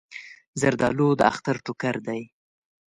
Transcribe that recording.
زردالو د اختر ټوکر دی.